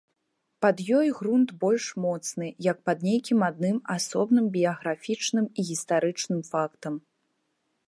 Пад ёй грунт больш моцны, як пад нейкім адным асобным біяграфічным і гістарычным фактам.